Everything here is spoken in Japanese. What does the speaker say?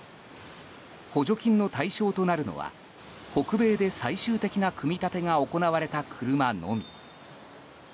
補助金の対象となるのは北米で最終的な組み立てが行われた車のみ。